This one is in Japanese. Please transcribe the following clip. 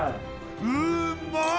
うまい！